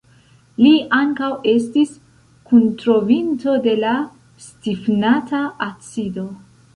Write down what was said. Li ankaŭ estis kuntrovinto de la "stifnata acido".